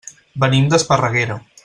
Venim d'Esparreguera.